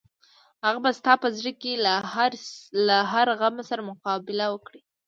هغه به ستا په زړه کې له هر غم سره مقابله وکړي.